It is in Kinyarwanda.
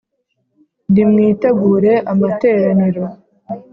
Nimwitegure amateraniro